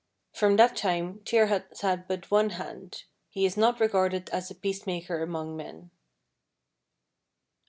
From that time Tyr has had but one hand. He is not regarded as a peacemaker among men."